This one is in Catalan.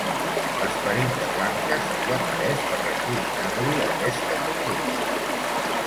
L'esperit de Blanca se li apareix per recriminar-li aquesta conducta.